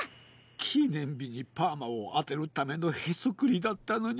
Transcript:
きねんびにパーマをあてるためのへそくりだったのに。